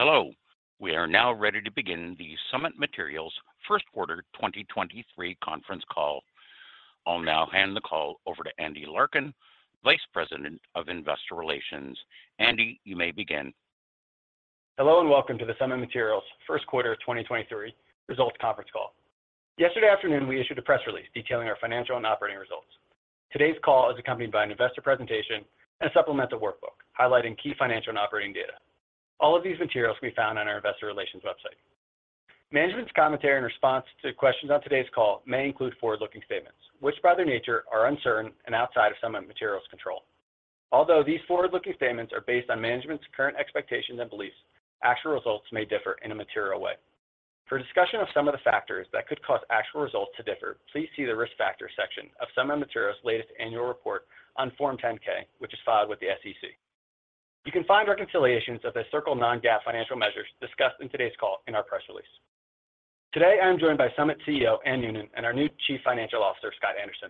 Hello. We are now ready to begin the Summit Materials first quarter 2023 conference call. I'll now hand the call over to Andy Larkin, Vice President of Investor Relations. Andy, you may begin. Hello, welcome to the Summit Materials first quarter 2023 results conference call. Yesterday afternoon, we issued a press release detailing our financial and operating results. Today's call is accompanied by an investor presentation and supplemental workbook highlighting key financial and operating data. All of these materials can be found on our investor relations website. Management's commentary in response to questions on today's call may include forward-looking statements, which, by their nature, are uncertain and outside of Summit Materials' control. Although these forward-looking statements are based on management's current expectations and beliefs, actual results may differ in a material way. For a discussion of some of the factors that could cause actual results to differ, please see the Risk Factors section of Summit Materials' latest annual report on Form 10-K, which is filed with the SEC. You can find reconciliations of certain non-GAAP financial measures discussed in today's call in our press release. Today, I am joined by Summit CEO, Anne Noonan, and our new Chief Financial Officer, Scott Anderson.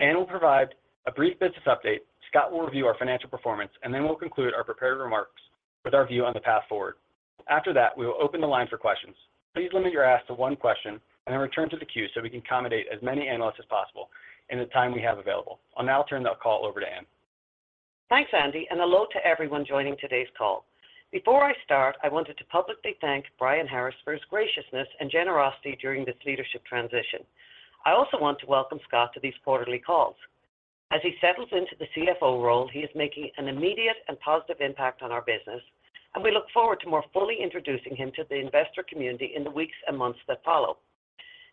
Anne will provide a brief business update. Scott will review our financial performance, and then we'll conclude our prepared remarks with our view on the path forward. After that, we will open the line for questions. Please limit your ask to one question and then return to the queue so we can accommodate as many analysts as possible in the time we have available. I'll now turn the call over to Anne. Thanks, Andy. Hello to everyone joining today's call. Before I start, I wanted to publicly thank Brian Harris for his graciousness and generosity during this leadership transition. I also want to welcome Scott to these quarterly calls. As he settles into the CFO role, he is making an immediate and positive impact on our business. We look forward to more fully introducing him to the investor community in the weeks and months that follow.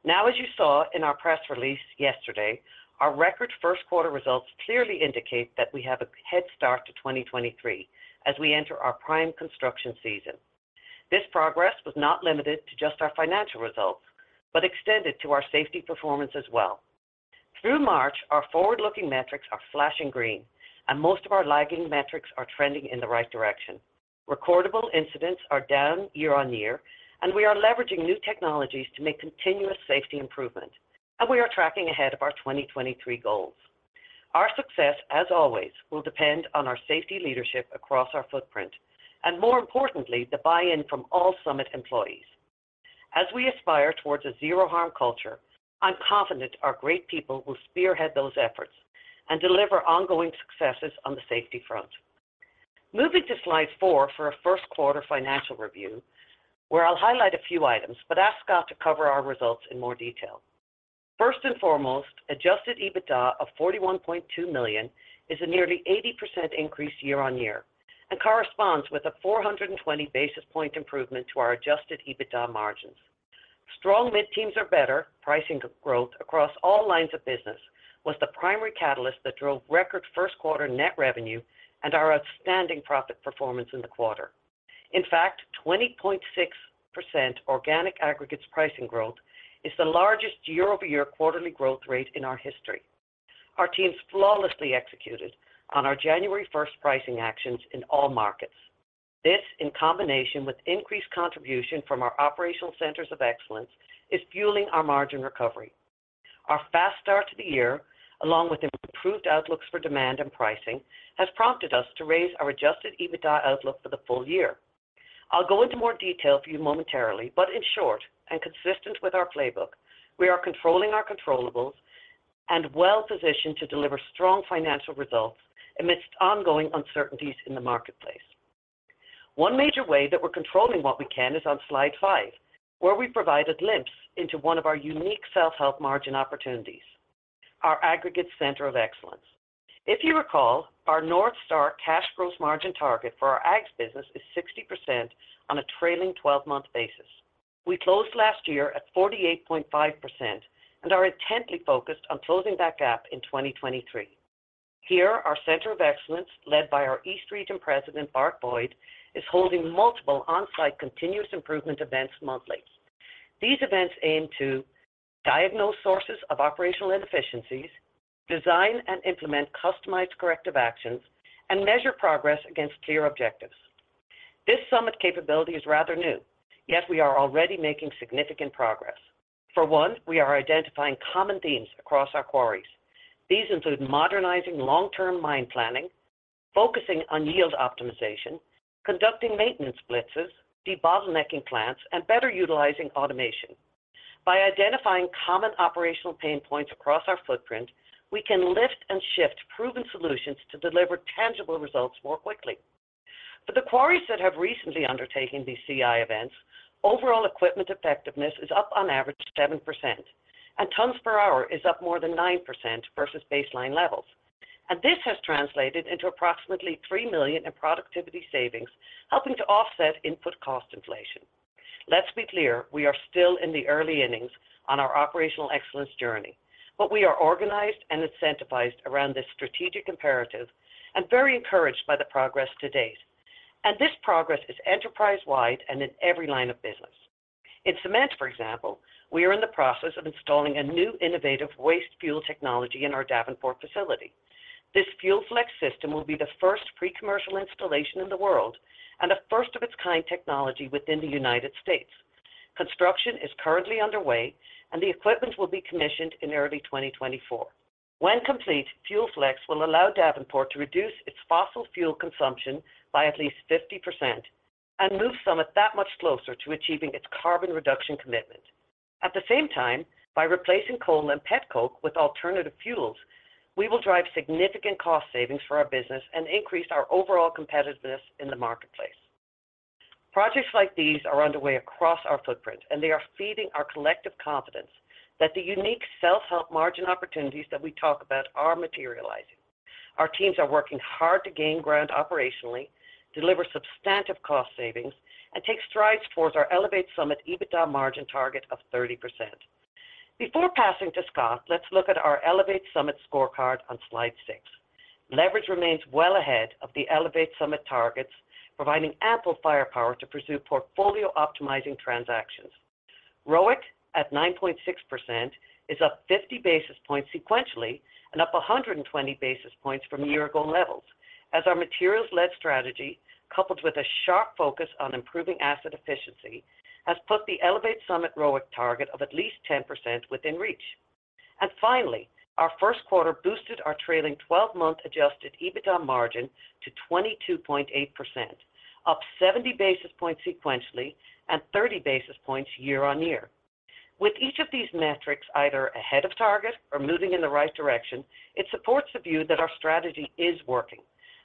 As you saw in our press release yesterday, our record first quarter results clearly indicate that we have a head start to 2023 as we enter our prime construction season. This progress was not limited to just our financial results. Extended to our safety performance as well. Through March, our forward-looking metrics are flashing green. Most of our lagging metrics are trending in the right direction. Recordable incidents are down year-on-year, and we are leveraging new technologies to make continuous safety improvement, and we are tracking ahead of our 2023 goals. Our success, as always, will depend on our safety leadership across our footprint, and more importantly, the buy-in from all Summit employees. As we aspire towards a zero harm culture, I'm confident our great people will spearhead those efforts and deliver ongoing successes on the safety front. Moving to slide 4 for our first quarter financial review, where I'll highlight a few items, but ask Scott to cover our results in more detail. First and foremost, Adjusted EBITDA of $41.2 million is a nearly 80% increase year-on-year and corresponds with a 420 basis point improvement to our Adjusted EBITDA margins. Strong mid-teens or better pricing growth across all lines of business was the primary catalyst that drove record 1st quarter net revenue and our outstanding profit performance in the quarter. In fact, 20.6% organic aggregates pricing growth is the largest year-over-year quarterly growth rate in our history. Our teams flawlessly executed on our January 1st pricing actions in all markets. This, in combination with increased contribution from our operational centers of excellence, is fueling our margin recovery. Our fast start to the year, along with improved outlooks for demand and pricing, has prompted us to raise our Adjusted EBITDA outlook for the full year. I'll go into more detail for you momentarily, but in short and consistent with our playbook, we are controlling our controllables and well-positioned to deliver strong financial results amidst ongoing uncertainties in the marketplace. One major way that we're controlling what we can is on slide 5, where we provide a glimpse into one of our unique self-help margin opportunities, our aggregate center of excellence. If you recall, our North Star cash gross margin target for our Aggs business is 60% on a trailing twelve-month basis. We closed last year at 48.5% and are intently focused on closing that gap in 2023. Here, our center of excellence, led by our East Region President, Bart Boyd, is holding multiple on-site continuous improvement events monthly. These events aim to diagnose sources of operational inefficiencies, design and implement customized corrective actions, and measure progress against clear objectives. This Summit capability is rather new, yet we are already making significant progress. For one, we are identifying common themes across our quarries. These include modernizing long-term mine planning, focusing on yield optimization, conducting maintenance blitzes, debottlenecking plants, and better utilizing automation. By identifying common operational pain points across our footprint, we can lift and shift proven solutions to deliver tangible results more quickly. For the quarries that have recently undertaken these CI events, overall equipment effectiveness is up on average 7%, tons per hour is up more than 9% versus baseline levels. This has translated into approximately $3 million in productivity savings, helping to offset input cost inflation. Let's be clear, we are still in the early innings on our operational excellence journey, we are organized and incentivized around this strategic imperative and very encouraged by the progress to date. This progress is enterprise-wide and in every line of business. In Cement, for example, we are in the process of installing a new innovative waste fuel technology in our Davenport facility. This FUELFLEX system will be the first pre-commercial installation in the world and a first of its kind technology within the United States. Construction is currently underway, and the equipment will be commissioned in early 2024. When complete, FUELFLEX will allow Davenport to reduce its fossil fuel consumption by at least 50% and move Summit that much closer to achieving its carbon reduction commitment. At the same time, by replacing coal and petcoke with alternative fuels, we will drive significant cost savings for our business and increase our overall competitiveness in the marketplace. Projects like these are underway across our footprint, and they are feeding our collective confidence that the unique self-help margin opportunities that we talk about are materializing. Our teams are working hard to gain ground operationally, deliver substantive cost savings, and take strides towards our Elevate Summit EBITDA margin target of 30%. Before passing to Scott, let's look at our Elevate Summit scorecard on slide 6. Leverage remains well ahead of the Elevate Summit targets, providing ample firepower to pursue portfolio optimizing transactions. ROIC at 9.6% is up 50 basis points sequentially and up 120 basis points from year-ago levels as our materials-led strategy, coupled with a sharp focus on improving asset efficiency, has put the Elevate Summit ROIC target of at least 10% within reach. Finally, our first quarter boosted our trailing-twelve-month Adjusted EBITDA margin to 22.8%, up 70 basis points sequentially and 30 basis points year-on-year. With each of these metrics either ahead of target or moving in the right direction, it supports the view that our strategy is working.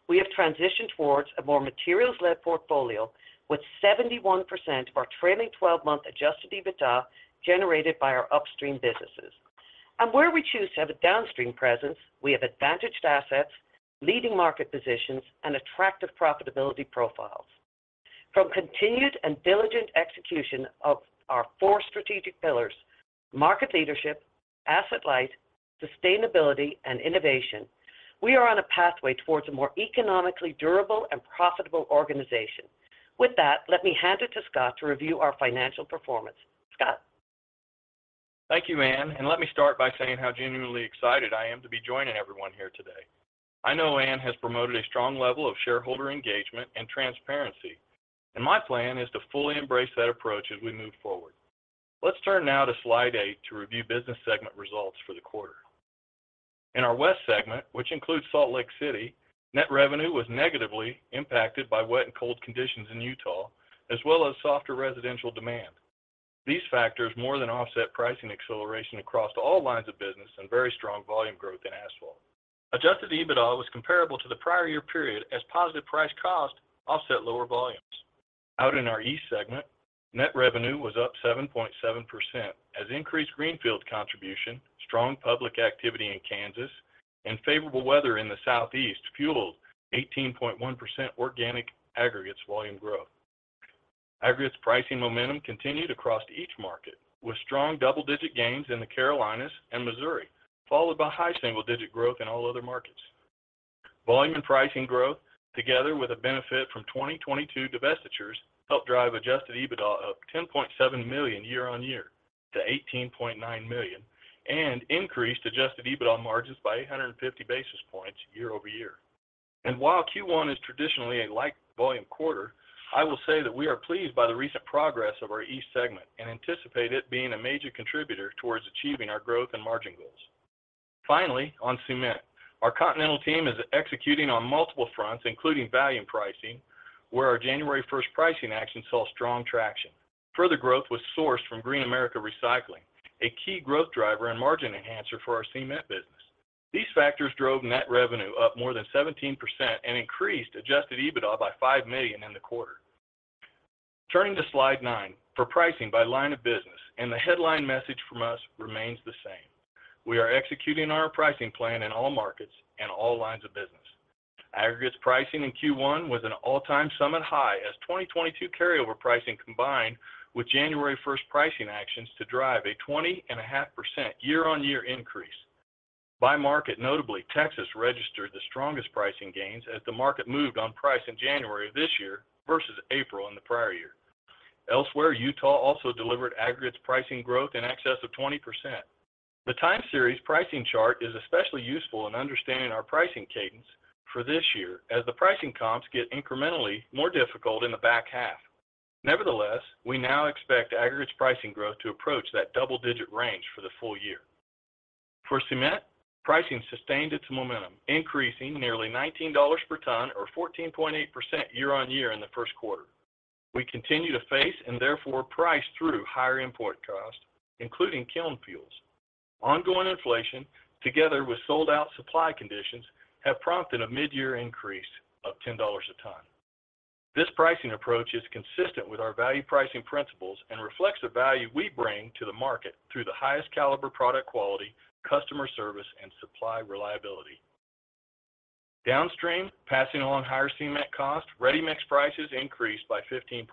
We have transitioned towards a more materials-led portfolio with 71% of our trailing-twelve-month Adjusted EBITDA generated by our upstream businesses. Where we choose to have a downstream presence, we have advantaged assets, leading market positions, and attractive profitability profiles. From continued and diligent execution of our four strategic pillars: market leadership, asset-light, sustainability, and innovation, we are on a pathway towards a more economically durable and profitable organization. With that, let me hand it to Scott to review our financial performance. Scott. Thank you, Anne, and let me start by saying how genuinely excited I am to be joining everyone here today. I know Anne has promoted a strong level of shareholder engagement and transparency, and my plan is to fully embrace that approach as we move forward. Let's turn now to slide 8 to review business segment results for the quarter. In our West segment, which includes Salt Lake City, net revenue was negatively impacted by wet and cold conditions in Utah, as well as softer residential demand. These factors more than offset pricing acceleration across all lines of business and very strong volume growth in asphalt. Adjusted EBITDA was comparable to the prior year period as positive price cost offset lower volumes. Out in our East segment, net revenue was up 7.7% as increased greenfield contribution, strong public activity in Kansas, and favorable weather in the Southeast fueled 18.1% organic aggregates volume growth. Aggregates pricing momentum continued across each market, with strong double-digit gains in the Carolinas and Missouri, followed by high single-digit growth in all other markets. Volume and pricing growth, together with a benefit from 2022 divestitures, helped drive Adjusted EBITDA up $10.7 million year-over-year to $18.9 million and increased Adjusted EBITDA margins by 850 basis points year-over-year. While Q1 is traditionally a light volume quarter, I will say that we are pleased by the recent progress of our East segment and anticipate it being a major contributor towards achieving our growth and margin goals. Finally, on cement, our continental team is executing on multiple fronts, including volume pricing, where our January 1st pricing action saw strong traction. Further growth was sourced from Green America Recycling, a key growth driver and margin enhancer for our cement business. These factors drove net revenue up more than 17% and increased Adjusted EBITDA by $5 million in the quarter. Turning to slide 9 for pricing by line of business, the headline message from us remains the same. We are executing our pricing plan in all markets and all lines of business. Aggregates pricing in Q1 was an all-time Summit high as 2022 carryover pricing combined with January 1st pricing actions to drive a 20.5% year-on-year increase. By market, notably, Texas registered the strongest pricing gains as the market moved on price in January of this year versus April in the prior year. Elsewhere, Utah also delivered aggregates pricing growth in excess of 20%. The time series pricing chart is especially useful in understanding our pricing cadence for this year as the pricing comps get incrementally more difficult in the back half. Nevertheless, we now expect aggregates pricing growth to approach that double-digit range for the full year. For cement, pricing sustained its momentum, increasing nearly $19 per ton or 14.8% year-over-year in the first quarter. We continue to face and therefore price through higher import costs, including kiln fuels. Ongoing inflation, together with sold-out supply conditions, have prompted a mid-year increase of $10 a ton. This pricing approach is consistent with our value pricing principles and reflects the value we bring to the market through the highest caliber product quality, customer service, and supply reliability. Downstream, passing along higher cement cost, ready-mix prices increased by 15.2%,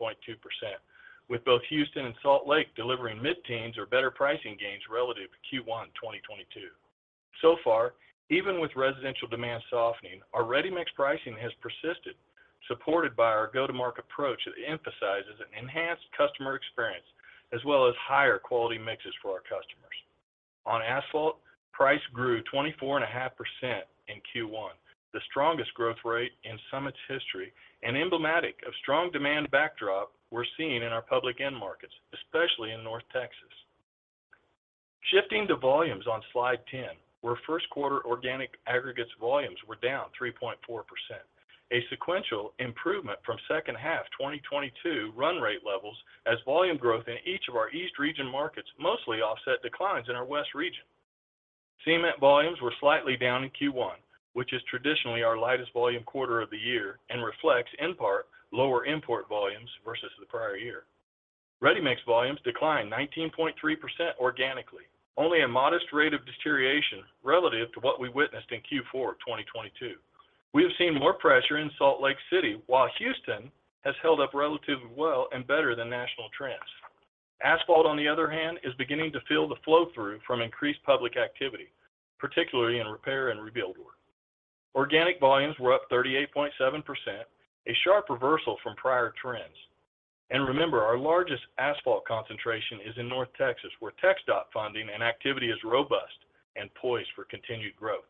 with both Houston and Salt Lake delivering mid-teens or better pricing gains relative to Q1 2022. Even with residential demand softening, our ready-mix pricing has persisted, supported by our go-to-market approach that emphasizes an enhanced customer experience as well as higher quality mixes for our customers. On asphalt, price grew 24.5% in Q1, the strongest growth rate in Summit's history and emblematic of strong demand backdrop we're seeing in our public end markets, especially in North Texas. Shifting to volumes on slide 10, where first quarter organic aggregates volumes were down 3.4%. A sequential improvement from second half 2022 run rate levels as volume growth in each of our East region markets mostly offset declines in our West region. Cement volumes were slightly down in Q1, which is traditionally our lightest volume quarter of the year and reflects, in part, lower import volumes versus the prior year. Ready-mix volumes declined 19.3% organically. Only a modest rate of deterioration relative to what we witnessed in Q4 of 2022. We have seen more pressure in Salt Lake City, while Houston has held up relatively well and better than national trends. Asphalt, on the other hand, is beginning to feel the flow-through from increased public activity, particularly in repair and rebuild work. Organic volumes were up 38.7%, a sharp reversal from prior trends. Remember, our largest asphalt concentration is in North Texas, where TXDOT funding and activity is robust and poised for continued growth.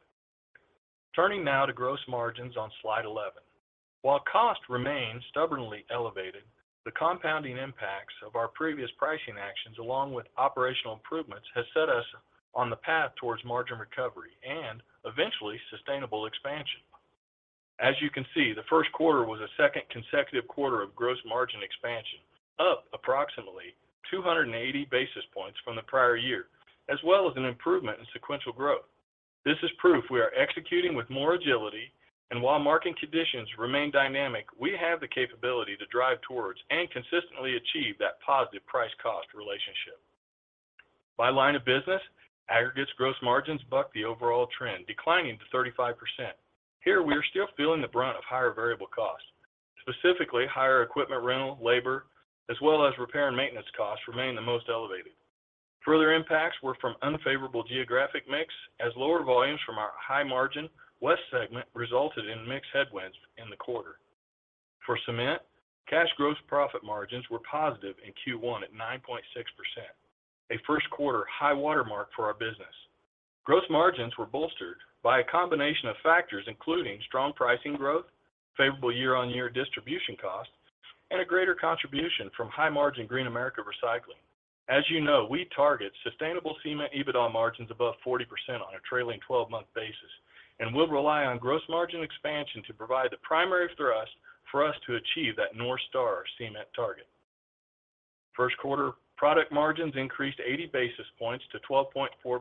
Turning now to gross margins on slide 11. While cost remains stubbornly elevated, the compounding impacts of our previous pricing actions, along with operational improvements, has set us on the path towards margin recovery and eventually sustainable expansion. As you can see, the first quarter was a second consecutive quarter of gross margin expansion, up approximately 280 basis points from the prior year, as well as an improvement in sequential growth. This is proof we are executing with more agility, and while market conditions remain dynamic, we have the capability to drive towards and consistently achieve that positive price-cost relationship. By line of business, aggregates gross margins buck the overall trend, declining to 35%. Here, we are still feeling the brunt of higher variable costs, specifically higher equipment rental, labor, as well as repair and maintenance costs remain the most elevated. Further impacts were from unfavorable geographic mix, as lower volumes from our high margin West segment resulted in mix headwinds in the quarter. For cement, cash gross profit margins were positive in Q1 at 9.6%, a first quarter high watermark for our business. Gross margins were bolstered by a combination of factors, including strong pricing growth, favorable year-on-year distribution costs, and a greater contribution from high margin Green America Recycling. As you know, we target sustainable cement EBITDA margins above 40% on a trailing twelve-month basis, and we'll rely on gross margin expansion to provide the primary thrust for us to achieve that North Star cement target. First quarter product margins increased 80 basis points to 12.4%,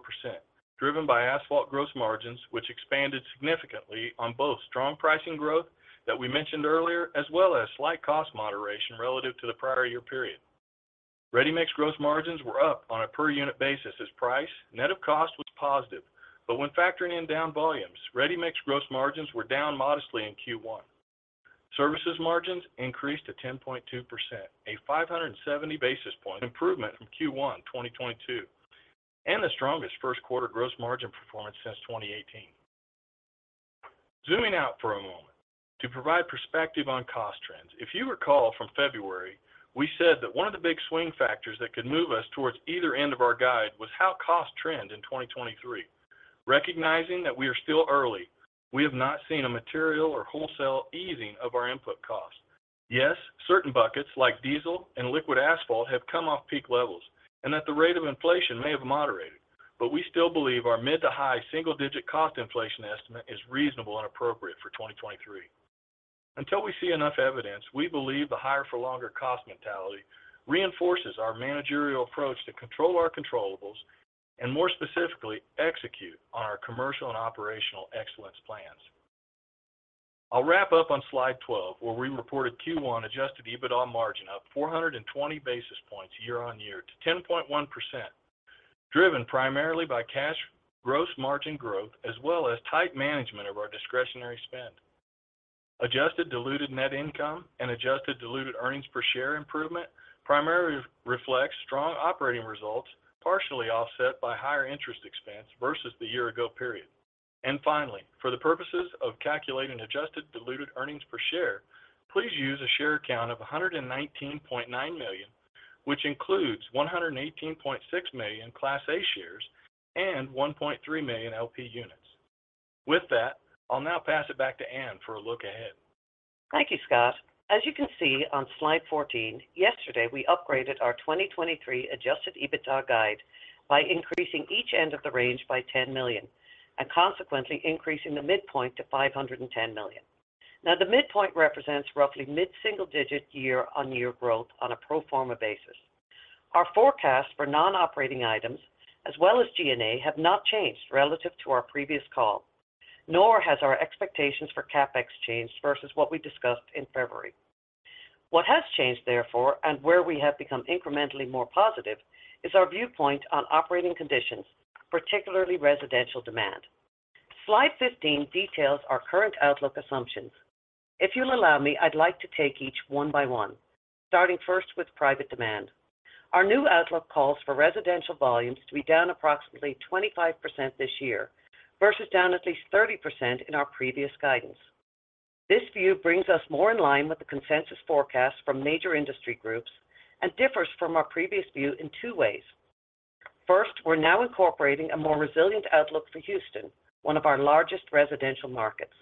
driven by asphalt gross margins, which expanded significantly on both strong pricing growth that we mentioned earlier, as well as slight cost moderation relative to the prior year period. Ready-mix gross margins were up on a per unit basis as price net of cost was positive. When factoring in down volumes, ready-mix gross margins were down modestly in Q1. Services margins increased to 10.2%, a 570 basis point improvement from Q1 2022, and the strongest first quarter gross margin performance since 2018. Zooming out for a moment to provide perspective on cost trends. If you recall from February, we said that one of the big swing factors that could move us towards either end of our guide was how costs trend in 2023. Recognizing that we are still early, we have not seen a material or wholesale easing of our input costs. Yes, certain buckets like diesel and liquid asphalt have come off peak levels and that the rate of inflation may have moderated, but we still believe our mid to high single digit cost inflation estimate is reasonable and appropriate for 2023. Until we see enough evidence, we believe the higher for longer cost mentality reinforces our managerial approach to control our controllables and more specifically, execute on our commercial and operational excellence plans. I'll wrap up on slide 12, where we reported Q1 Adjusted EBITDA margin up 420 basis points year-on-year to 10.1%, driven primarily by cash gross margin growth as well as tight management of our discretionary spend. Adjusted diluted net income and adjusted diluted earnings per share improvement primarily reflects strong operating results, partially offset by higher interest expense versus the year ago period. Finally, for the purposes of calculating adjusted diluted earnings per share, please use a share count of 119.9 million, which includes 118.6 million Class A shares and 1.3 million LP units. With that, I'll now pass it back to Anne for a look ahead. Thank you, Scott. As you can see on slide 14, yesterday, we upgraded our 2023 Adjusted EBITDA guide by increasing each end of the range by $10 million and consequently increasing the midpoint to $510 million. The midpoint represents roughly mid-single digit year-on-year growth on a pro forma basis. Our forecast for non-operating items as well as G&A have not changed relative to our previous call, nor has our expectations for CapEx changed versus what we discussed in February. What has changed, therefore, and where we have become incrementally more positive, is our viewpoint on operating conditions, particularly residential demand. Slide 15 details our current outlook assumptions. If you'll allow me, I'd like to take each one by one, starting first with private demand. Our new outlook calls for residential volumes to be down approximately 25% this year versus down at least 30% in our previous guidance. This view brings us more in line with the consensus forecast from major industry groups and differs from our previous view in two ways. We're now incorporating a more resilient outlook for Houston, one of our largest residential markets.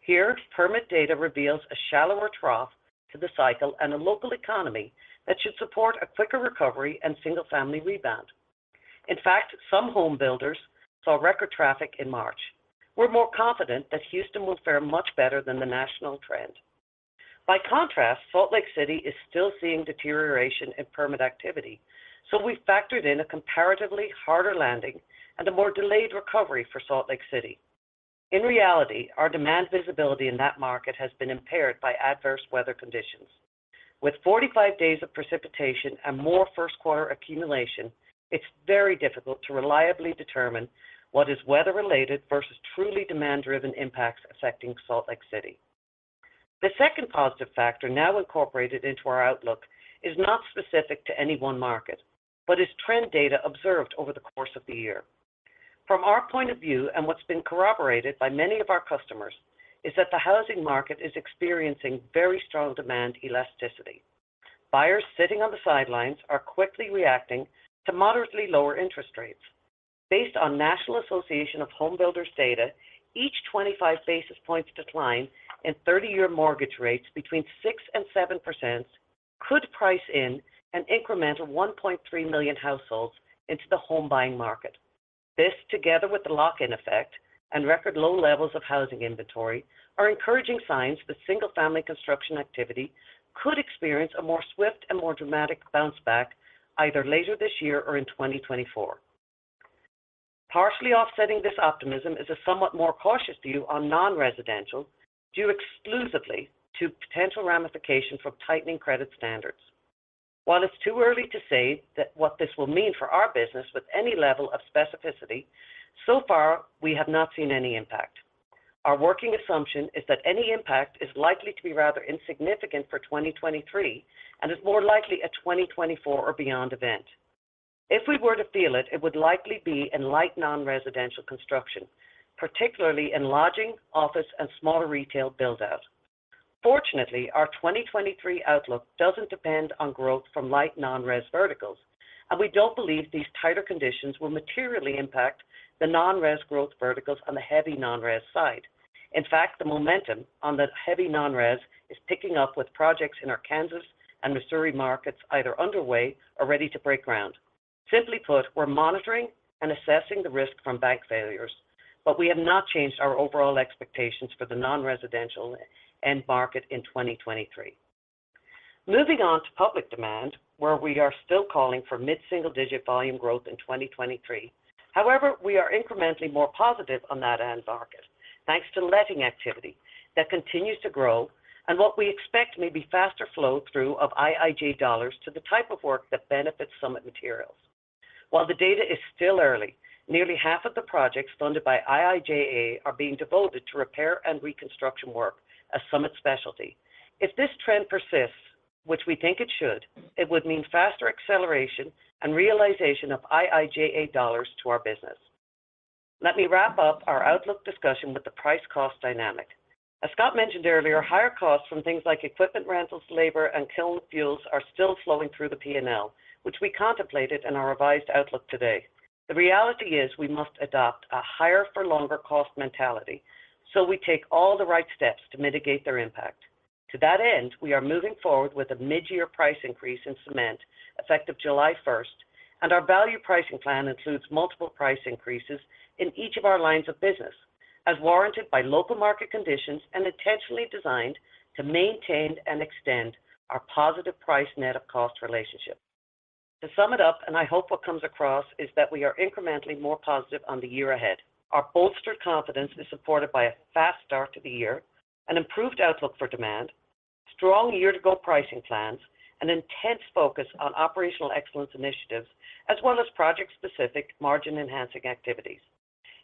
Here, permit data reveals a shallower trough to the cycle and a local economy that should support a quicker recovery and single-family rebound. In fact, some home builders saw record traffic in March. We're more confident that Houston will fare much better than the national trend. Salt Lake City is still seeing deterioration in permit activity, so we factored in a comparatively harder landing and a more delayed recovery for Salt Lake City. In reality, our demand visibility in that market has been impaired by adverse weather conditions. With 45 days of precipitation and more first quarter accumulation, it's very difficult to reliably determine what is weather-related versus truly demand-driven impacts affecting Salt Lake City. The second positive factor now incorporated into our outlook is not specific to any one market, but is trend data observed over the course of the year. From our point of view, and what's been corroborated by many of our customers, is that the housing market is experiencing very strong demand elasticity. Buyers sitting on the sidelines are quickly reacting to moderately lower interest rates. Based on National Association of Home Builders data, each 25 basis points decline in 30-year mortgage rates between 6% and 7% could price in an incremental 1.3 million households into the home buying market. This, together with the lock-in effect and record low levels of housing inventory, are encouraging signs the single-family construction activity could experience a more swift and more dramatic bounce back either later this year or in 2024. Partially offsetting this optimism is a somewhat more cautious view on non-residential, due exclusively to potential ramifications from tightening credit standards. While it's too early to say that what this will mean for our business with any level of specificity, so far we have not seen any impact. Our working assumption is that any impact is likely to be rather insignificant for 2023 and is more likely a 2024 or beyond event. If we were to feel it would likely be in light non-residential construction, particularly in lodging, office, and smaller retail build-out. Fortunately, our 2023 outlook doesn't depend on growth from light non-res verticals, and we don't believe these tighter conditions will materially impact the non-res growth verticals on the heavy non-res side. In fact, the momentum on the heavy non-res is picking up with projects in our Kansas and Missouri markets either underway or ready to break ground. Simply put, we're monitoring and assessing the risk from bank failures, but we have not changed our overall expectations for the non-residential end market in 2023. Moving on to public demand, where we are still calling for mid-single digit volume growth in 2023. However, we are incrementally more positive on that end market, thanks to letting activity that continues to grow and what we expect may be faster flow through of IIJ dollars to the type of work that benefits Summit Materials. While the data is still early, nearly half of the projects funded by IIJA are being devoted to repair and reconstruction work, a Summit specialty. If this trend persists, which we think it should, it would mean faster acceleration and realization of IIJA dollars to our business. Let me wrap up our outlook discussion with the price cost dynamic. As Scott mentioned earlier, higher costs from things like equipment rentals, labor, and kiln fuels are still flowing through the P&L, which we contemplated in our revised outlook today. The reality is we must adopt a higher for longer cost mentality, so we take all the right steps to mitigate their impact. To that end, we are moving forward with a mid-year price increase in cement effective July 1st, and our value pricing plan includes multiple price increases in each of our lines of business as warranted by local market conditions and intentionally designed to maintain and extend our positive price net of cost relationship. To sum it up, and I hope what comes across, is that we are incrementally more positive on the year ahead. Our bolstered confidence is supported by a fast start to the year, an improved outlook for demand, strong year-to-go pricing plans, an intense focus on operational excellence initiatives, as well as project-specific margin enhancing activities.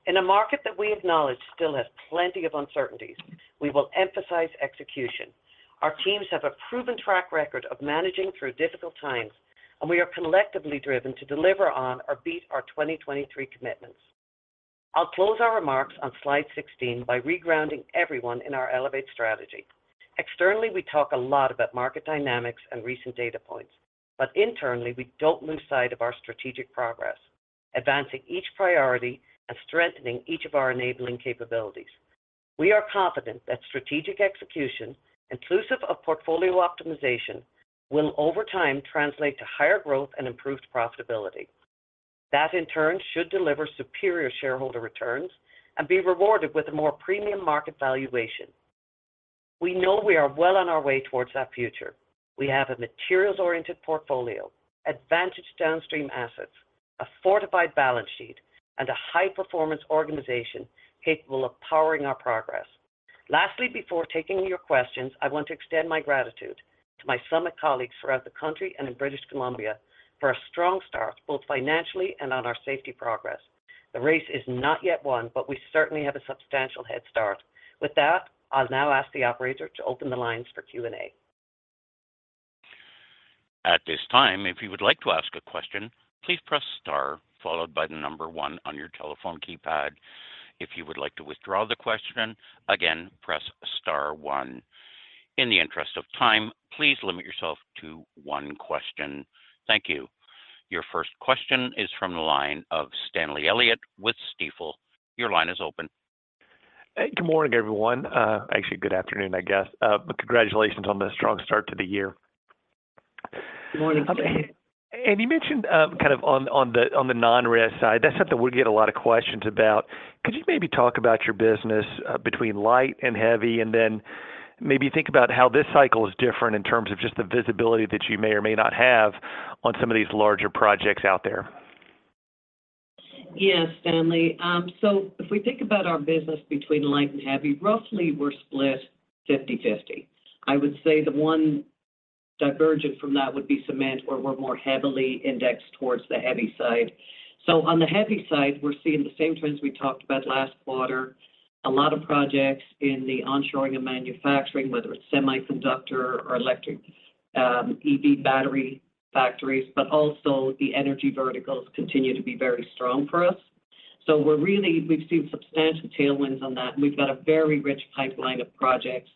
In a market that we acknowledge still has plenty of uncertainties, we will emphasize execution. Our teams have a proven track record of managing through difficult times, and we are collectively driven to deliver on or beat our 2023 commitments. I'll close our remarks on slide 16 by re-grounding everyone in our Elevate strategy. Externally, we talk a lot about market dynamics and recent data points, but internally, we don't lose sight of our strategic progress, advancing each priority and strengthening each of our enabling capabilities. We are confident that strategic execution, inclusive of portfolio optimization, will over time translate to higher growth and improved profitability. That, in turn, should deliver superior shareholder returns and be rewarded with a more premium market valuation. We know we are well on our way towards that future. We have a materials-oriented portfolio, advantaged downstream assets, a fortified balance sheet, and a high-performance organization capable of powering our progress. Lastly, before taking your questions, I want to extend my gratitude to my Summit colleagues throughout the country and in British Columbia for a strong start, both financially and on our safety progress. The race is not yet won, but we certainly have a substantial head start. With that, I'll now ask the operator to open the lines for Q&A. At this time, if you would like to ask a question, please press star followed by one on your telephone keypad. If you would like to withdraw the question, again, press star one. In the interest of time, please limit yourself to one question. Thank you. Your first question is from the line of Stanley Elliott with Stifel. Your line is open. Hey. Good morning, everyone. actually good afternoon, I guess. Congratulations on the strong start to the year. Good morning. You mentioned, kind of on the, on the non-risk side, that's something we get a lot of questions about. Could you maybe talk about your business, between light and heavy? Maybe think about how this cycle is different in terms of just the visibility that you may or may not have on some of these larger projects out there? Yes, Stanley. If we think about our business between light and heavy, roughly we're split 50/50. I would say the one divergent from that would be cement, where we're more heavily indexed towards the heavy side. On the heavy side, we're seeing the same trends we talked about last quarter. A lot of projects in the onshoring and manufacturing, whether it's semiconductor or electric, EV battery factories. Also the energy verticals continue to be very strong for us. We've seen substantial tailwinds on that, and we've got a very rich pipeline of projects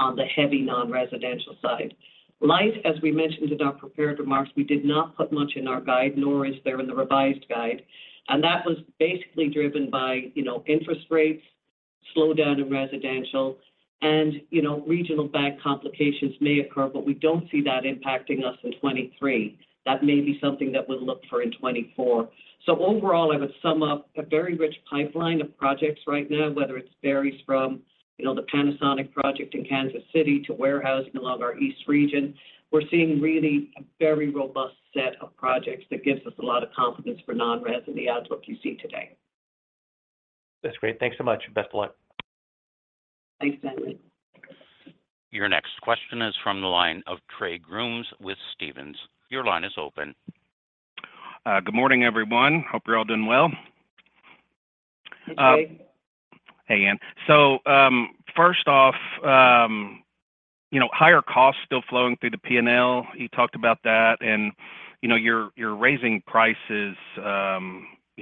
on the heavy non-residential side. Light, as we mentioned in our prepared remarks, we did not put much in our guide, nor is there in the revised guide. That was basically driven by, you know, interest rates, slowdown in residential, and, you know, regional bank complications may occur, but we don't see that impacting us in 2023. That may be something that we'll look for in 2024. Overall, I would sum up a very rich pipeline of projects right now, whether it's varies from, you know, the Panasonic project in Kansas City to warehousing along our East Region. We're seeing really a very robust set of projects that gives us a lot of confidence for non-res in the outlook you see today. That's great. Thanks so much. Best of luck. Thanks, Stanley. Your next question is from the line of Trey Grooms with Stephens. Your line is open. Good morning, everyone. Hope you're all doing well. Hey, Trey. Anne, first off, you know, higher costs still flowing through the P&L. You talked about that, you know, you're raising prices, you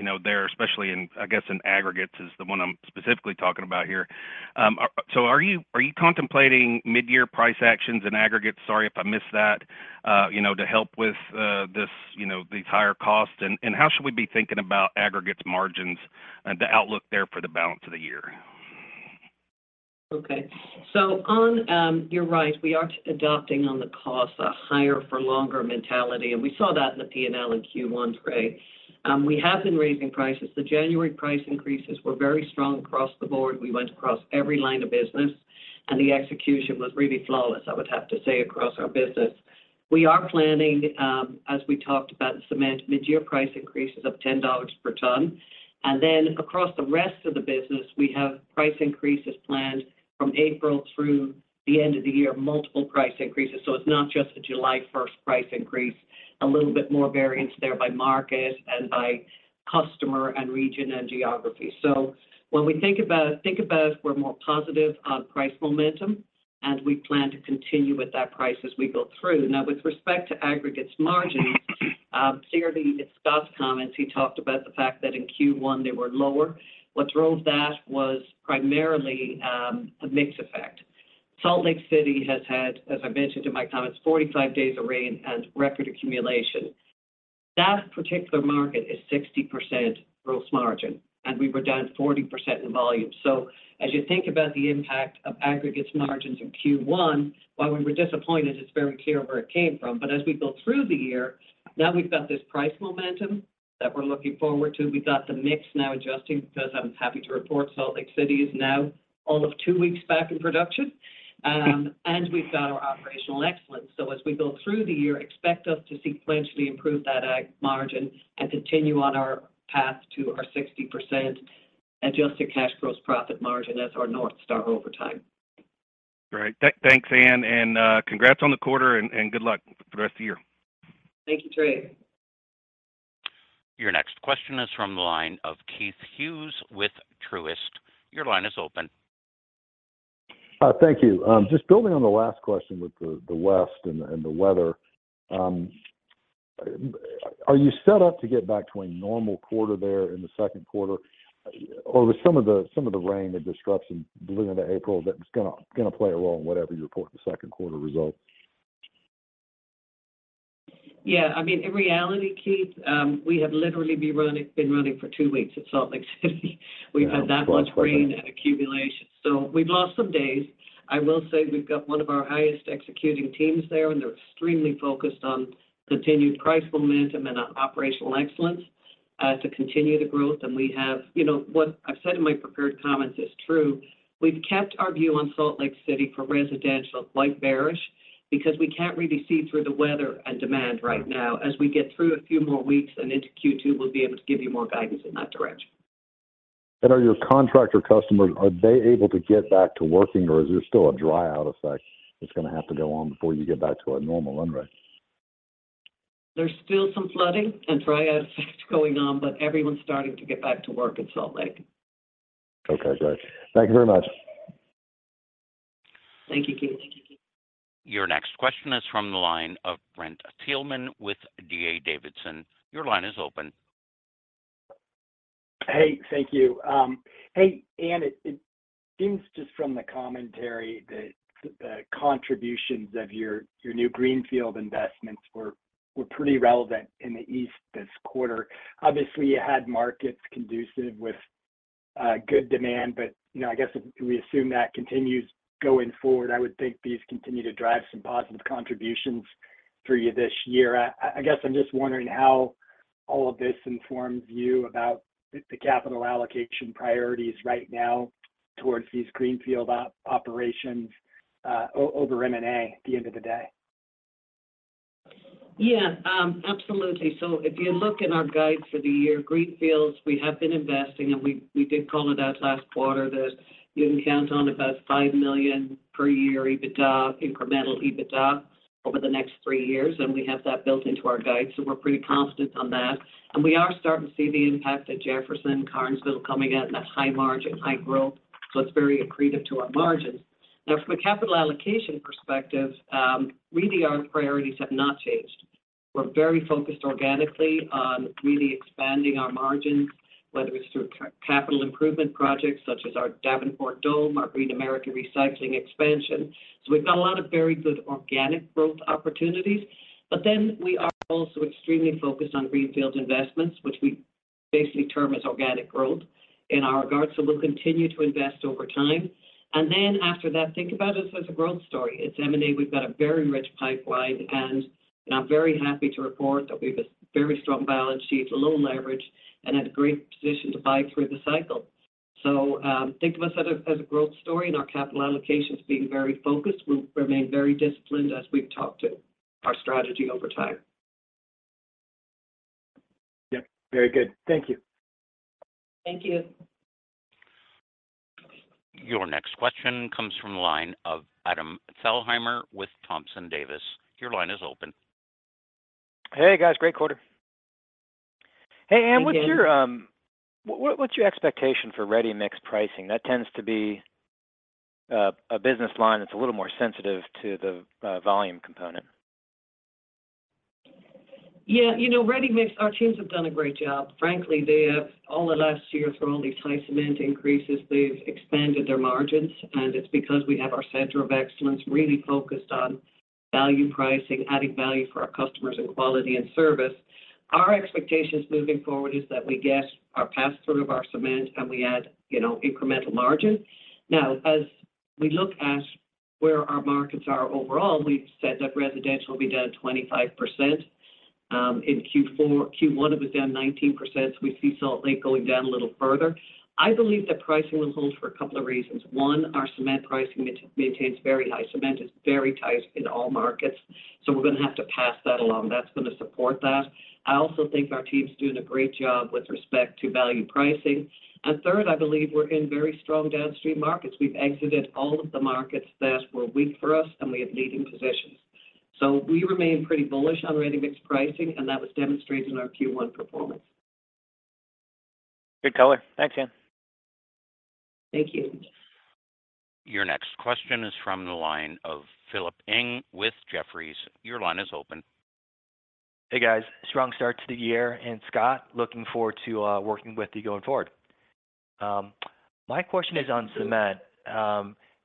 know, there especially in, I guess, in aggregates is the one I'm specifically talking about here. Are you contemplating midyear price actions in aggregates? Sorry if I missed that. You know, to help with this, you know, these higher costs. How should we be thinking about aggregates margins and the outlook there for the balance of the year? Okay. On, you're right, we are adopting on the costs a higher for longer mentality, and we saw that in the P&L in Q1, Trey Grooms. We have been raising prices. The January price increases were very strong across the board. We went across every line of business. The execution was really flawless, I would have to say, across our business. We are planning, as we talked about in cement, midyear price increases of $10 per ton. Across the rest of the business, we have price increases planned from April through the end of the year, multiple price increases. It's not just a July first price increase. A little bit more variance there by market and by customer and region and geography. When we think about it, we're more positive on price momentum, and we plan to continue with that price as we go through. With respect to aggregates margins, CRB discussed comments. He talked about the fact that in Q1 they were lower. What drove that was primarily a mix effect. Salt Lake City has had, as I mentioned in my comments, 45 days of rain and record accumulation. That particular market is 60% gross margin, and we were down 40% in volume. As you think about the impact of aggregates margins in Q1, while we were disappointed, it's very clear where it came from. As we go through the year, now we've got this price momentum that we're looking forward to. We've got the mix now adjusting because I'm happy to report Salt Lake City is now all of two weeks back in production. We've got our operational excellence. As we go through the year, expect us to sequentially improve that ag margin and continue on our path to our 60% adjusted cash gross profit margin. That's our North Star over time. Great. Thanks, Anne, and congrats on the quarter and good luck for the rest of the year. Thank you, Trey. Your next question is from the line of Keith Hughes with Truist. Your line is open. Thank you. Just building on the last question with the West and the and the weather. Are you set up to get back to a normal quarter there in the second quarter? With some of the rain and disruption delay into April, that's gonna play a role in whatever you report in the second quarter results. Yeah. I mean, in reality, Keith, we have literally been running for two weeks at Salt Lake City. We've had that much- Oh, that's right.... rain and accumulation. We've lost some days. I will say we've got one of our highest executing teams there, and they're extremely focused on continued price momentum and operational excellence to continue the growth. You know what I've said in my prepared comments is true. We've kept our view on Salt Lake City for residential, like, bearish because we can't really see through the weather and demand right now. As we get through a few more weeks and into Q2, we'll be able to give you more guidance in that direction. Are your contractor customers, are they able to get back to working, or is there still a dry out effect that's going to have to go on before you get back to a normal run rate? There's still some flooding and dry out effects going on, but everyone's starting to get back to work in Salt Lake. Okay, great. Thank you very much. Thank you. Your next question is from the line of Brent Thielman with D.A. Davidson. Your line is open. Hey, thank you. Hey, Anne, it seems just from the commentary that the contributions of your new Greenfield investments were pretty relevant in the east this quarter. Obviously, you had markets conducive with good demand. You know, I guess if we assume that continues going forward, I would think these continue to drive some positive contributions for you this year. I guess I'm just wondering how all of this informs you about the capital allocation priorities right now towards these Greenfield operations over M&A at the end of the day? Yeah, absolutely. If you look in our guide for the year, greenfields, we have been investing, and we did call it out last quarter that you can count on about $5 million per year EBITDA, incremental EBITDA over the next three years, and we have that built into our guide. We're pretty confident on that. We are starting to see the impact at Jefferson, Karnesville coming at in that high margin, high growth, so it's very accretive to our margins. Now, from a capital allocation perspective, really our priorities have not changed. We're very focused organically on really expanding our margins, whether it's through capital improvement projects such as our Davenport Dome, our Green America Recycling expansion. We've got a lot of very good organic growth opportunities. We are also extremely focused on Greenfield investments, which we basically term as organic growth in our regard. We'll continue to invest over time. After that, think about us as a growth story. It's M&A, we've got a very rich pipeline, and I'm very happy to report that we've a very strong balance sheet, low leverage, and in a great position to buy through the cycle. Think of us as a growth story and our capital allocations being very focused. We'll remain very disciplined as we've talked to our strategy over time. Yep. Very good. Thank you. Thank you. Your next question comes from the line of Adam Thalhimer with Thompson Davis. Your line is open. Hey, guys. Great quarter. Hey, Anne, what's your expectation for ready-mix pricing? That tends to be a business line that's a little more sensitive to the volume component. You know, ready-mix, our teams have done a great job. Frankly, they have all of last year through all these tight cement increases, they've expanded their margins, and it's because we have our center of excellence really focused on value pricing, adding value for our customers in quality and service. Our expectations moving forward is that we get our pass-through of our cement and we add, you know, incremental margin. As we look at where our markets are overall, we've said that residential will be down 25% in Q4. Q1, it was down 19%. We see Salt Lake going down a little further. I believe that pricing will hold for a couple of reasons. One, our cement pricing maintains very high. Cement is very tight in all markets, so we're gonna have to pass that along. That's gonna support that. I also think our team's doing a great job with respect to value pricing. Third, I believe we're in very strong downstream markets. We've exited all of the markets that were weak for us, and we have leading positions. We remain pretty bullish on ready-mix pricing, and that was demonstrated in our Q1 performance. Good color. Thanks, Anne. Thank you. Your next question is from the line of Philip Ng with Jefferies. Your line is open. Hey, guys. Strong start to the year. Scott, looking forward to working with you going forward. My question is on cement.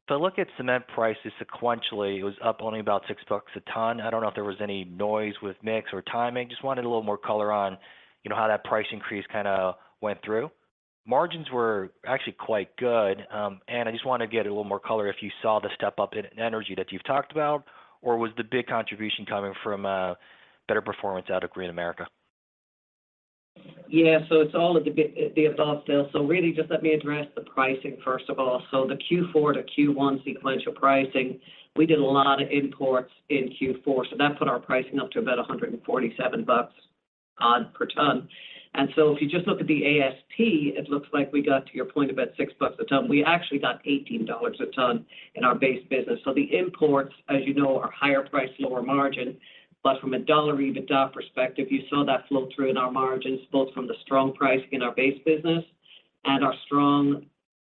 To look at cement prices sequentially, it was up only about $6 a ton. I don't know if there was any noise with mix or timing. Just wanted a little more color on, you know, how that price increase kinda went through. Margins were actually quite good. Anne, I just wanna get a little more color if you saw the step-up in energy that you've talked about, or was the big contribution coming from better performance out of Green America? Yeah. It's all of the above, Phil. Really just let me address the pricing first of all. The Q4 to Q1 sequential pricing, we did a lot of imports in Q4, so that put our pricing up to about $147 per ton. If you just look at the ASP, it looks like we got to your point about $6 a ton. We actually got $18 a ton in our base business. The imports, as you know, are higher price, lower margin. From a dollar EBITDA perspective, you saw that flow through in our margins, both from the strong pricing in our base business and our strong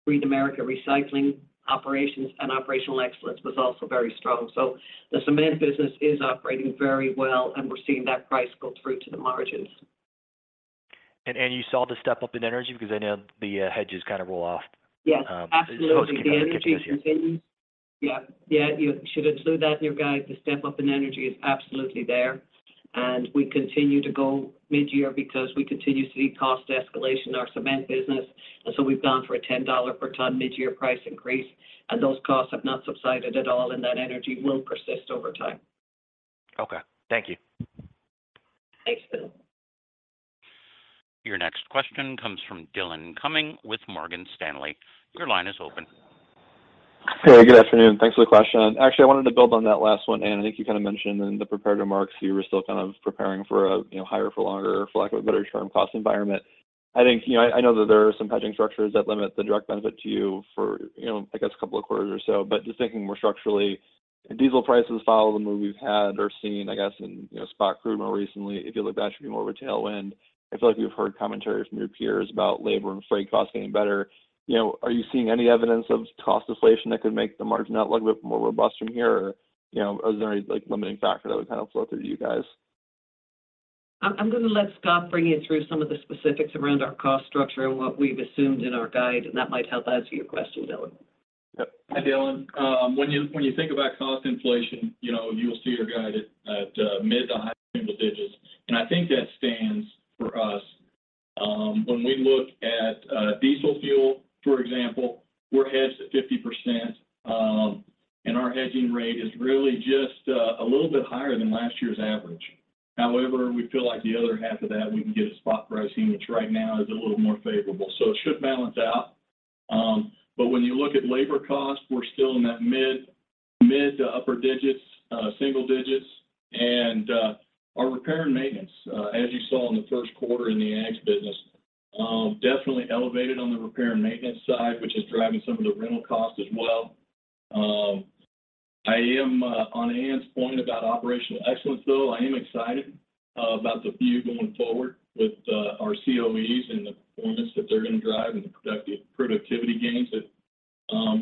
Green America Recycling operations and operational excellence was also very strong. The cement business is operating very well, and we're seeing that price go through to the margins. Anne, you saw the step up in energy because I know the hedges kinda roll off. Yes, absolutely. I was just kind of catching up here. The energy continues. Yeah. Yeah, you should include that in your guide. The step up in energy is absolutely there. We continue to go mid-year because we continue to see cost escalation in our cement business. We've gone for a $10 per ton mid-year price increase, and those costs have not subsided at all, and that energy will persist over time. Okay. Thank you. Thanks, Phil. Your next question comes from Dillon Cumming with Morgan Stanley. Your line is open. Hey, good afternoon. Thanks for the question. Actually, I wanted to build on that last one, Anne. I think you kinda mentioned in the prepared remarks, you were still kind of preparing for a, you know, higher for longer, for lack of a better term, cost environment. I think, you know, I know that there are some hedging structures that limit the direct benefit to you for, you know, I guess a 2 quarters or so. Just thinking more structurally If diesel prices follow the move we've had or seen, I guess, in, you know, spot crude more recently, if you look, that should be more of a tailwind. I feel like we've heard commentary from your peers about labor and freight costs getting better. You know, are you seeing any evidence of cost inflation that could make the margin outlook a bit more robust from here? You know, are there any, like, limiting factor that would kind of flow through you guys? I'm gonna let Scott bring you through some of the specifics around our cost structure and what we've assumed in our guide, and that might help answer your question, Dillon. Yep. Hi, Dillon. When you, when you think about cost inflation, you know, you'll see your guide at mid to high single digits. I think that stands for us. When we look at diesel fuel, for example, we're hedged at 50%, and our hedging rate is really just a little bit higher than last year's average. However, we feel like the other half of that we can get a spot pricing, which right now is a little more favorable. It should balance out. When you look at labor costs, we're still in that mid to upper digits, single digits. Our repair and maintenance, as you saw in the first quarter in the Ag business, definitely elevated on the repair and maintenance side, which is driving some of the rental costs as well. I am on Anne's point about operational excellence, though, I am excited about the view going forward with our COEs and the performance that they're gonna drive and the productivity gains that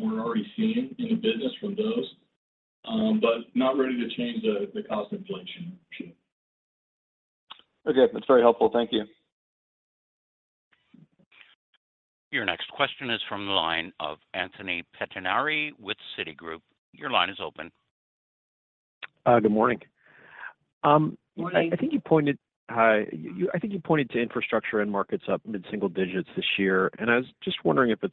we're already seeing in the business from those. Not ready to change the cost inflation sheet. Okay. That's very helpful. Thank you. Your next question is from the line of Anthony Pettinari with Citigroup. Your line is open. Good morning. Morning. I think you pointed... Hi. I think you pointed to infrastructure end markets up mid-single digits this year, and I was just wondering if it's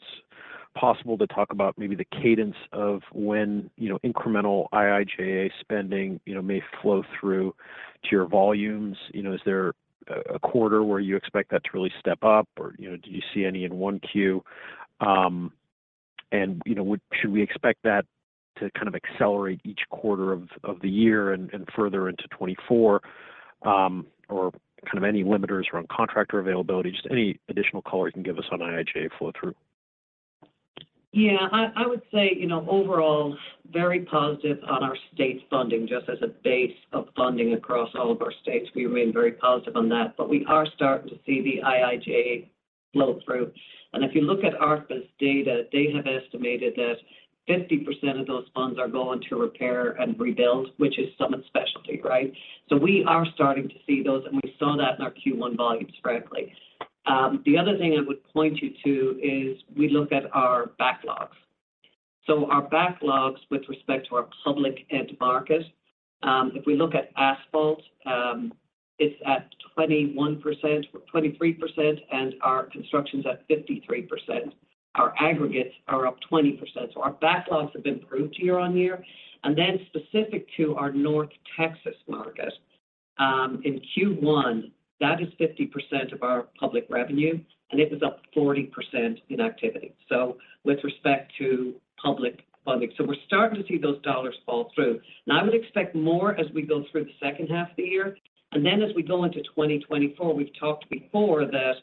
possible to talk about maybe the cadence of when, you know, incremental IIJA spending, you know, may flow through to your volumes. You know, is there a quarter where you expect that to really step up or, you know, do you see any in one Q? You know, should we expect that to kind of accelerate each quarter of the year and further into 2024, or kind of any limiters around contractor availability? Just any additional color you can give us on IIJA flow-through. I would say, you know, overall, very positive on our state funding. Just as a base of funding across all of our states, we remain very positive on that. We are starting to see the IIJA flow through. If you look at ARPA's data, they have estimated that 50% of those funds are going to repair and rebuild, which is Summit specialty, right? We are starting to see those, and we saw that in our Q1 volumes, frankly. The other thing I would point you to is we look at our backlogs. Our backlogs with respect to our public end market, if we look at asphalt, it's at 21% or 23% and our construction's at 53%. Our aggregates are up 20%. Our backlogs have improved year-on-year. Specific to our North Texas market, in Q1, that is 50% of our public revenue, and it was up 40% in activity. With respect to public funding. We're starting to see those dollars fall through. Now, I would expect more as we go through the second half of the year. As we go into 2024, we've talked before that,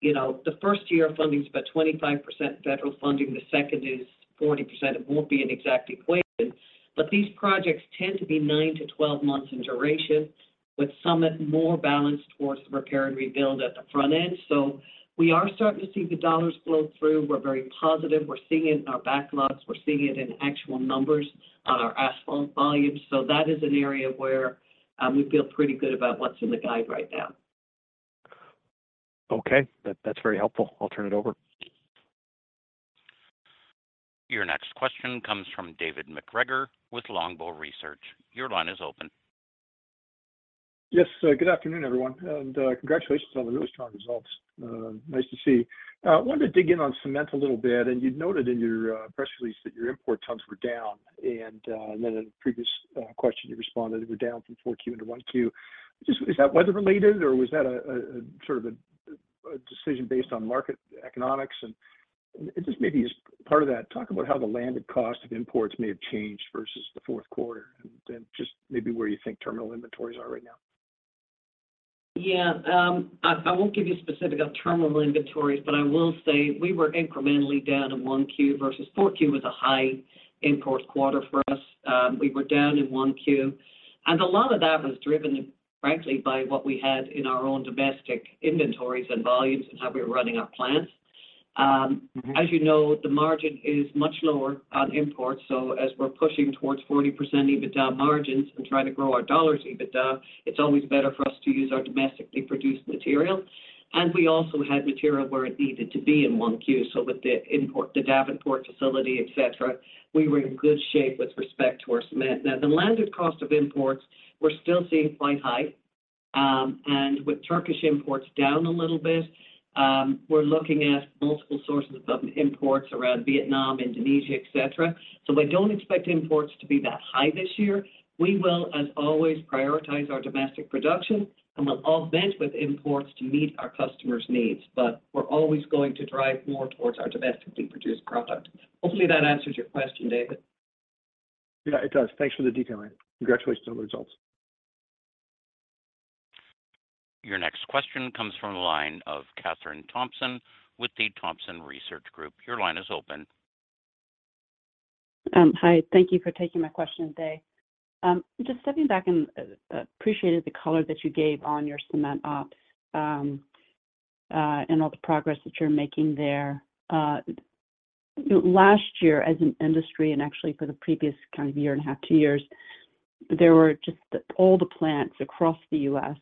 you know, the first year of funding is about 25% federal funding, the second is 40%. It won't be an exact equation. These projects tend to be 9-12 months in duration, with Summit more balanced towards the repair and rebuild at the front end. We are starting to see the dollars flow through. We're very positive. We're seeing it in our backlogs. We're seeing it in actual numbers on our asphalt volumes. That is an area where, we feel pretty good about what's in the guide right now. Okay. That's very helpful. I'll turn it over. Your next question comes from David MacGregor with Longbow Research. Your line is open. Yes. Good afternoon, everyone. Congratulations on the really strong results. Nice to see. Wanted to dig in on cement a little bit, and you noted in your press release that your import tons were down. Then in a previous question you responded, it were down from 4Q into 1Q. Just, is that weather related or was that a sort of a decision based on market economics? Just maybe as part of that, talk about how the landed cost of imports may have changed versus the fourth quarter, and then just maybe where you think terminal inventories are right now. Yeah. I won't give you specific on terminal inventories, but I will say we were incrementally down in 1Q versus 4Q was a high imports quarter for us. We were down in 1Q. A lot of that was driven, frankly, by what we had in our own domestic inventories and volumes and how we were running our plants.... as you know, the margin is much lower on imports, as we're pushing towards 40% EBITDA margins and trying to grow our $ EBITDA, it's always better for us to use our domestically produced material. We also had material where it needed to be in 1Q. With the import, the Davenport facility, et cetera, we were in good shape with respect to our cement. Now, the landed cost of imports, we're still seeing quite high. With Turkish imports down a little bit, we're looking at multiple sources of imports around Vietnam, Indonesia, et cetera. We don't expect imports to be that high this year. We will, as always, prioritize our domestic production, and we'll augment with imports to meet our customers' needs. We're always going to drive more towards our domestically produced product. Hopefully that answers your question, David. Yeah, it does. Thanks for the detail, Anne. Congratulations on the results. Your next question comes from the line of Kathryn Thompson with the Thompson Research Group. Your line is open. Hi. Thank you for taking my question today. Just stepping back and appreciated the color that you gave on your cement op and all the progress that you're making there. Last year as an industry, and actually for the previous kind of year and a half, 2 years, there were just all the plants across the U.S.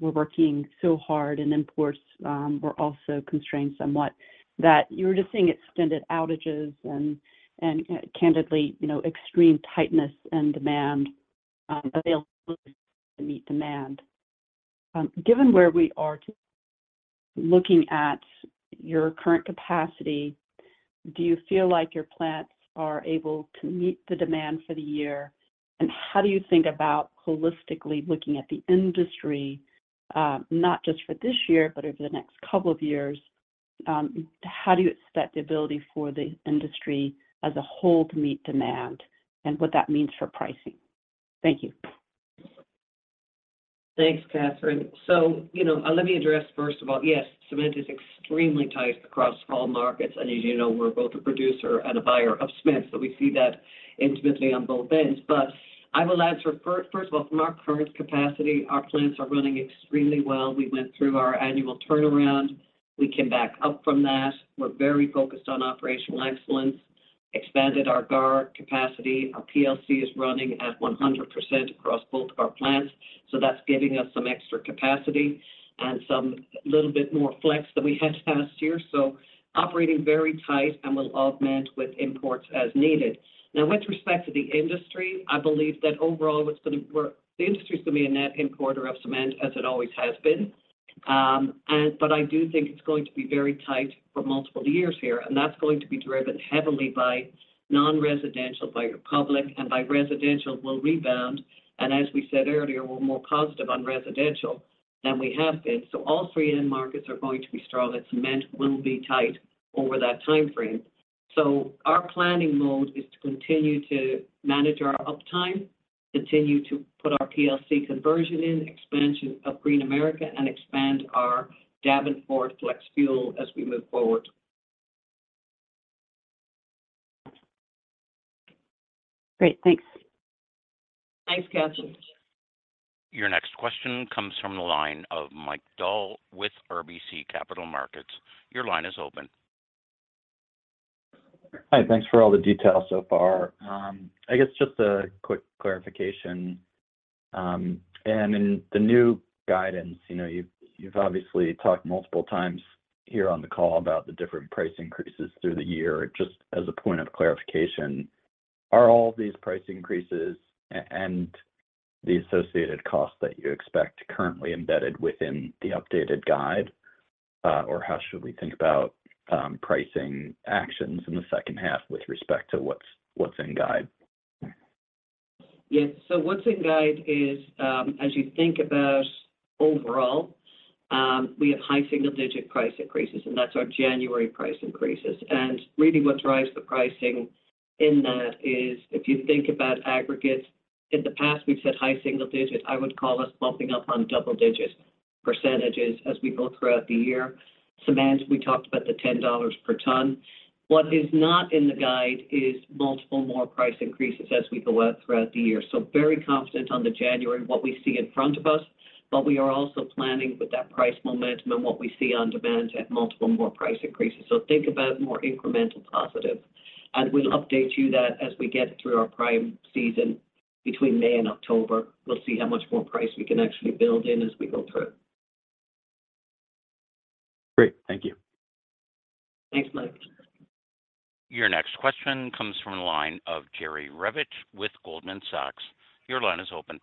were working so hard and imports were also constrained somewhat that you were just seeing extended outages and candidly, you know, extreme tightness and demand, availability to meet demand. Given where we are. Looking at your current capacity, do you feel like your plants are able to meet the demand for the year? How do you think about holistically looking at the industry, not just for this year, but over the next couple of years, how do you expect the ability for the industry as a whole to meet demand and what that means for pricing? Thank you. Thanks, Kathryn. You know, let me address first of all, yes, cement is extremely tight across all markets, and as you know, we're both a producer and a buyer of cement, so we see that intimately on both ends. I will answer first of all, from our current capacity, our plants are running extremely well. We went through our annual turnaround. We came back up from that. We're very focused on operational excellence, expanded our GAR capacity. Our PLC is running at 100% across both of our plants, so that's giving us some extra capacity and some little bit more flex than we had last year. Operating very tight and we'll augment with imports as needed. Now, with respect to the industry, I believe that overall the industry is going to be a net importer of cement as it always has been. I do think it's going to be very tight for multiple years here, and that's going to be driven heavily by non-residential, by public, and by residential will rebound. As we said earlier, we're more positive on residential than we have been. All three end markets are going to be strong, but cement will be tight over that timeframe. Our planning mode is to continue to manage our uptime, continue to put our PLC conversion in, expansion of Green America, and expand our Davenport flex fuel as we move forward. Great. Thanks. Thanks, Kathryn. Your next question comes from the line of Mike Dahl with RBC Capital Markets. Your line is open. Hi. Thanks for all the details so far. I guess just a quick clarification. In the new guidance, you know, you've obviously talked multiple times here on the call about the different price increases through the year. Just as a point of clarification, are all these price increases and the associated costs that you expect currently embedded within the updated guide? How should we think about pricing actions in the second half with respect to what's in guide? Yes. What's in guide is, as you think about overall, we have high single-digit price increases, and that's our January price increases. Really what drives the pricing in that is if you think about aggregates, in the past we've said high single-digits. I would call us bumping up on double-digit percentages as we go throughout the year. Cements, we talked about the $10 per ton. What is not in the guide is multiple more price increases as we go out throughout the year. Very confident on the January, what we see in front of us, but we are also planning with that price momentum and what we see on demand to add multiple more price increases. Think about more incremental positive, and we'll update you that as we get through our prime season between May and October. We'll see how much more price we can actually build in as we go through. Great. Thank you. Thanks, Mike. Your next question comes from the line of Jerry Revich with Goldman Sachs. Your line is open.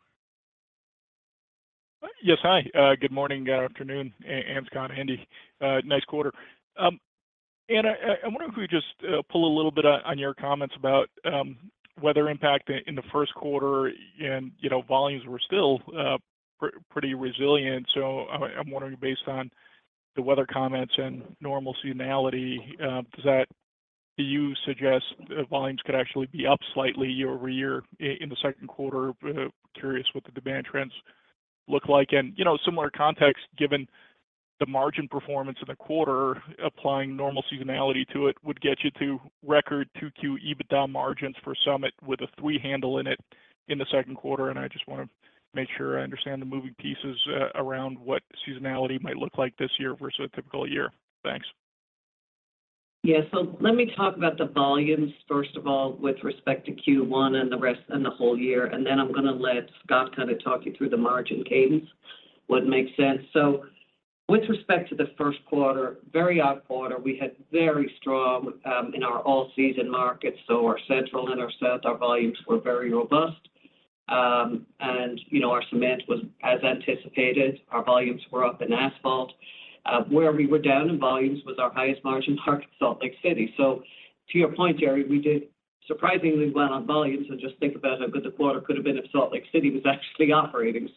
Yes. Hi. Good morning, afternoon, and Scott and Andy. Nice quarter. Anne, I wonder if we just pull a little bit on your comments about weather impact in the first quarter and, you know, volumes were still pretty resilient. I'm wondering based on the weather comments and normal seasonality, do you suggest volumes could actually be up slightly year-over-year in the second quarter? Curious what the demand trends look like. You know, similar context, given the margin performance in the quarter, applying normal seasonality to it would get you to record 2Q EBITDA margins for Summit with a three handle in it in the second quarter. I just wanna make sure I understand the moving pieces around what seasonality might look like this year versus a typical year. Thanks. Yeah. Let me talk about the volumes, first of all, with respect to Q1 and the rest and the whole year, and then I'm gonna let Scott kinda talk you through the margin cadence, would make sense. With respect to the first quarter, very odd quarter, we had very strong in our all-season markets. Our central intercept, our volumes were very robust. And, you know, our cement was as anticipated. Our volumes were up in asphalt. Where we were down in volumes was our highest margin part, Salt Lake City. To your point, Jerry, we did surprisingly well on volumes. Just think about how good the quarter could have been if Salt Lake City was actually operating.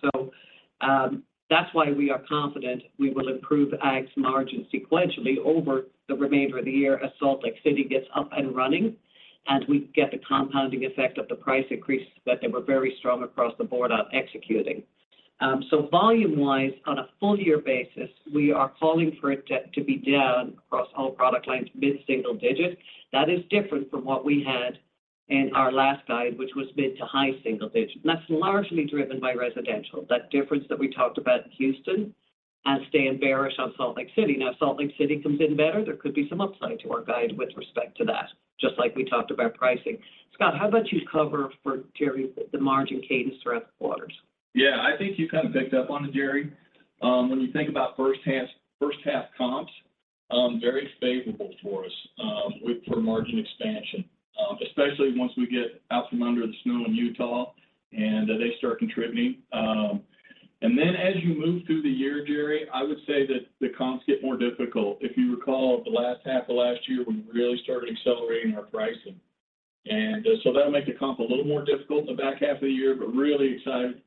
That's why we are confident we will improve AGG's margin sequentially over the remainder of the year as Salt Lake City gets up and running, and we get the compounding effect of the price increases that they were very strong across the board on executing. Volume-wise on a full year basis, we are calling for it to be down across all product lines mid-single-digit. That is different from what we had in our last guide, which was mid-to-high single-digit. That's largely driven by residential. That difference that we talked about in Houston and staying bearish on Salt Lake City. Now, if Salt Lake City comes in better, there could be some upside to our guide with respect to that, just like we talked about pricing. Scott, how about you cover for Jerry the margin cadence throughout the quarters? Yeah. I think you kind of picked up on it, Jerry. When you think about first half comps, very favorable for us, for margin expansion, especially once we get out from under the snow in Utah and they start contributing. As you move through the year, Jerry, I would say that the comps get more difficult. If you recall, the last half of last year, we really started accelerating our pricing. That'll make the comp a little more difficult in the back half of the year, but really excited,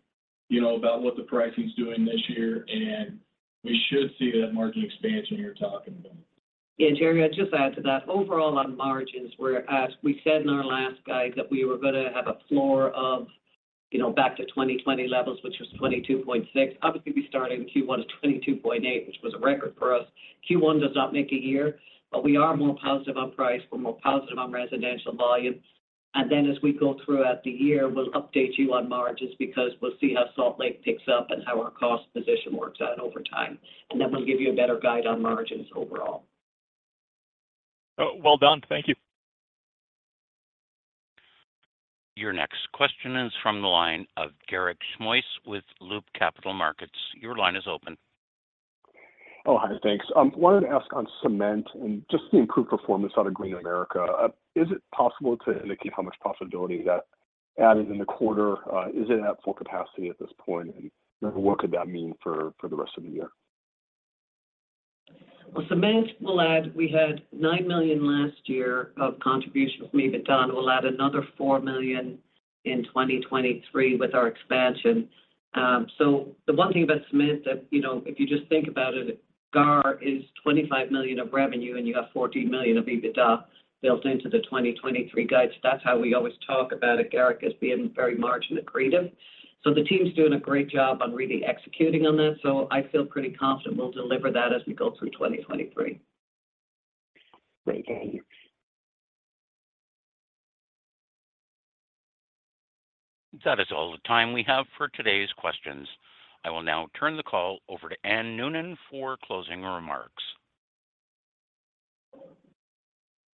you know, about what the pricing's doing this year, and we should see that margin expansion you're talking about. Yeah. Jerry, I'd just add to that, overall on margins we're at, we said in our last guide that we were gonna have a floor of, you know, back to 2020 levels, which was 22.6%. Obviously, we started Q1 at 22.8%, which was a record for us. Q1 does not make a year, but we are more positive on price, we're more positive on residential volumes. As we go throughout the year, we'll update you on margins because we'll see how Salt Lake picks up and how our cost position works out over time. We'll give you a better guide on margins overall. Oh, well done. Thank you. Your next question is from the line of Garik Shmois with Loop Capital Markets. Your line is open. Hi. Thanks. Wanted to ask on cement and just the improved performance out of Green America. Is it possible to indicate how much profitability that added in the quarter? Is it at full capacity at this point, and what could that mean for the rest of the year? On cement, we'll add, we had $9 million last year of contribution of EBITDA. We'll add another $4 million in 2023 with our expansion. The one thing about cement that, you know, if you just think about it, GAR is $25 million of revenue, and you have $14 million of EBITDA built into the 2023 guides. That's how we always talk about it, Garik, as being very margin accretive. The team's doing a great job on really executing on that. I feel pretty confident we'll deliver that as we go through 2023. Great. Thank you. That is all the time we have for today's questions. I will now turn the call over to Anne Noonan for closing remarks.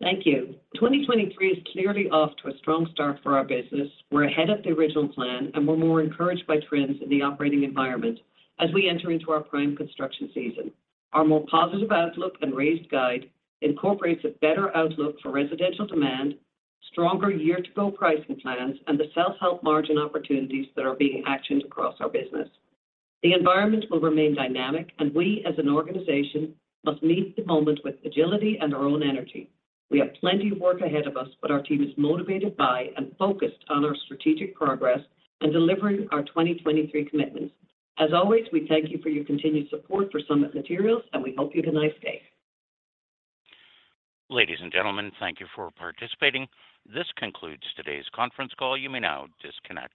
Thank you. 2023 is clearly off to a strong start for our business. We're ahead of the original plan, and we're more encouraged by trends in the operating environment as we enter into our prime construction season. Our more positive outlook and raised guide incorporates a better outlook for residential demand, stronger year-to-go pricing plans, and the self-help margin opportunities that are being actioned across our business. The environment will remain dynamic, and we as an organization must meet the moment with agility and our own energy. We have plenty of work ahead of us, but our team is motivated by and focused on our strategic progress in delivering our 2023 commitments. As always, we thank you for your continued support for Summit Materials, and we hope you have a nice day. Ladies and gentlemen, thank you for participating. This concludes today's conference call. You may now disconnect.